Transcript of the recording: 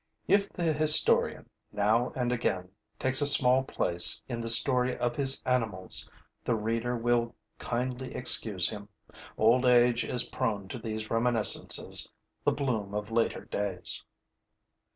If the historian, now and again, takes a small place in the story of his animals, the reader will kindly excuse him: old age is prone to these reminiscences, the bloom of later days.